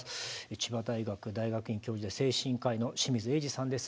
千葉大学大学院教授で精神科医の清水栄司さんです。